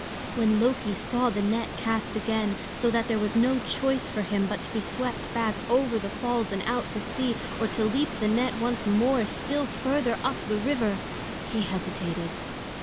When Loki saw the net cast again, so that there was no choice for him but to be swept back over the falls and out to sea, or to leap the net once more still further up the river, he hesitated.